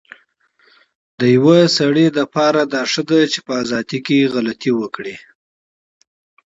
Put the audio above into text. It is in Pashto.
يو سړي لپاره دا ښه ده چي په ازادی کي غلطي وکړی